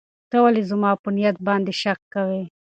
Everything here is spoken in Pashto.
ته ولې زما په نیت باندې شک کوې؟